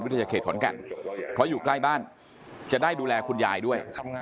เขตขอนแก่นเพราะอยู่ใกล้บ้านจะได้ดูแลคุณยายด้วย